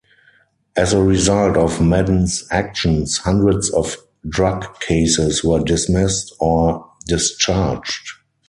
As a result of Madden's actions, hundreds of drug cases were dismissed or discharged.